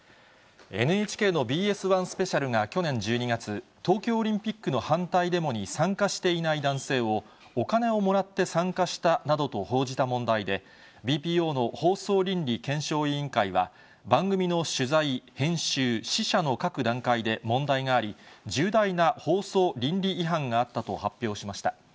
ＮＨＫのＢＳ１スペシャルが去年１２月、東京オリンピックの反対デモに参加していない男性を、お金をもらって参加したなどと報じた問題で、ＢＰＯの放送倫理検証委員会は、番組の取材、編集、試写の各段階で問題があり、重大な放送倫理違反があったと発表しました。